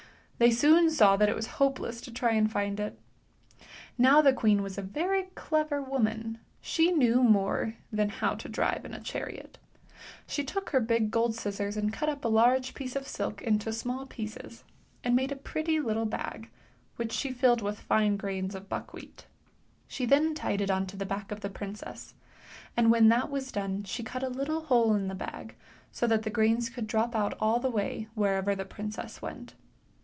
Thev soon saw that it was hopeless to try and find it. N w the queen was a very clever woman; she knew more than how to drive in a chariot. She took her big gold scissors and cut up a large p: r:e ::' silk into small pieces, and made a pretty little bag vhich she filled with fine grains of buckwheat. She then tied it on to the back of the princess, and when that was done she cut a little hole in the bag. so that the grains could drop out all the way wherever the princess went.